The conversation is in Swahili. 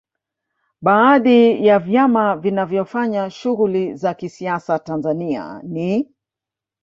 Baadhi ya vyama vinavyofanya shughuli za kisiasa Tanzania ni